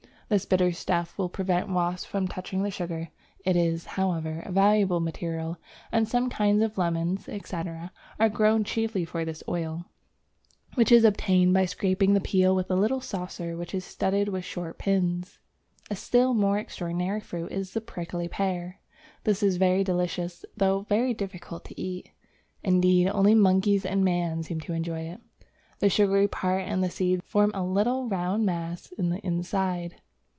This bitter stuff will prevent wasps from touching the sugar. It is, however, a valuable material, and some kinds of lemons, etc., are grown chiefly for this oil, which is obtained by scraping the peel with a little saucer which is studded with short pins. A still more extraordinary fruit is the prickly pear; this is very delicious though very difficult to eat. Indeed, only monkeys and man seem able to enjoy it. The sugary part and the seeds form a little round mass in the inside.